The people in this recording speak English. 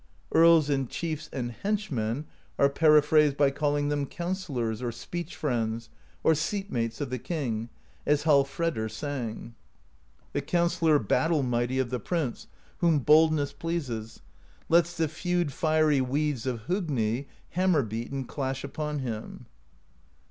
Earls and chiefs and henchmen are periphrased by calling them Counsellors or Speech Friends or Seat Mates of the King, as Hallfredr sang: ' See page 176. THE POESY OF SKALDS 201 The Counsellor battle mighty Of the Prince, whom boldness pleases, Lets the feud fiery weeds of Hogni, Hammer beaten, clash upon him.